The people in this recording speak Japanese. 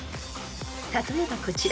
［例えばこちら］